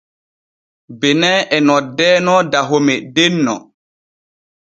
Benin e noddeeno Dahome denno.